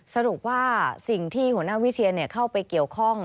สรุปว่าสิ่งที่หัวหน้าวิเชียนเข้าไปเกี่ยวข้อง